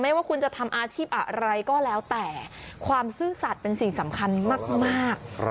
ว่าคุณจะทำอาชีพอะไรก็แล้วแต่ความซื่อสัตว์เป็นสิ่งสำคัญมาก